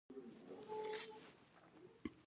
په یو ټاکلي وخت کې دغه نسبت ته څه وايي